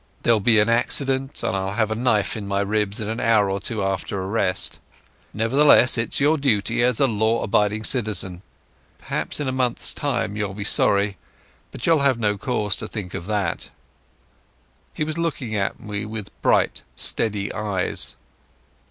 There'll be an accident, and I'll have a knife in my ribs an hour or so after arrest. Nevertheless, it's your duty, as a law abiding citizen. Perhaps in a month's time you'll be sorry, but you have no cause to think of that." He was looking at me with bright steady eyes.